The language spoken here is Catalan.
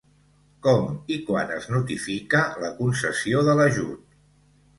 Com i quan es notifica la concessió de l'ajut?